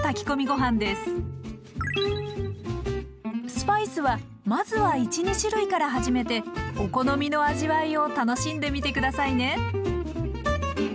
スパイスはまずは１２種類から始めてお好みの味わいを楽しんでみて下さいね。